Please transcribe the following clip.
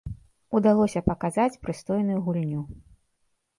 Удалося паказаць прыстойную гульню.